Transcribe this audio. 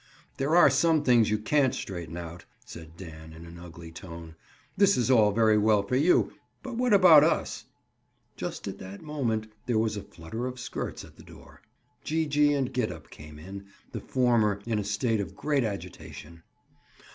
"There are some things you can't straighten out," said Dan in an ugly tone. "This is all very well for you, but what about us?" Just at that moment there was a flutter of skirts at the door. Gee gee and Gid up came in, the former in a state of great agitation.